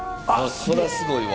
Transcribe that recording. そりゃすごいわ。